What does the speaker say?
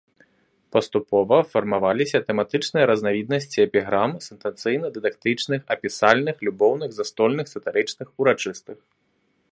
Паступова фармаваліся тэматычныя разнавіднасці эпіграм сентэнцыйна-дыдактычных, апісальных, любоўных, застольных, сатырычных, урачыстых.